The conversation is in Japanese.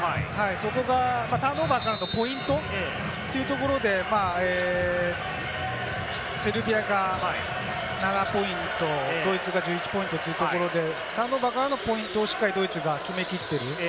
そこがターンオーバーになるとポイントというところでセルビアが７ポイント、ドイツが１１ポイントというところで、ターンオーバーからのポイントをしっかりドイツが決め切っている。